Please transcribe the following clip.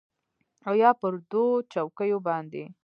او یا پر دوو چوکیو باندې